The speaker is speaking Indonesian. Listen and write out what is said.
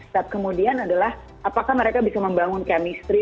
step kemudian adalah apakah mereka bisa membangun chemistry